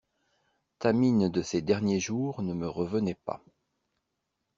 Ta mine de ces derniers jours ne me revenait pas.